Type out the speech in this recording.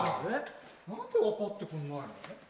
何で分かってくんないの？